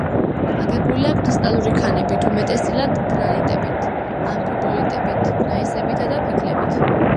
აგებულია კრისტალური ქანებით, უმეტესწილად გრანიტებით, ამფიბოლიტებით, გნაისებითა და ფიქლებით.